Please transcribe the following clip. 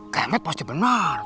kayak met pasti benar